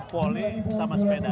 poli sama sepeda